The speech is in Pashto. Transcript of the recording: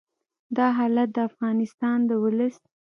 دا حالت د افغانستان د ولس